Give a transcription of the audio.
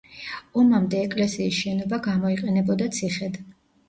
ომამდე ეკლესიის შენობა გამოიყენებოდა ციხედ.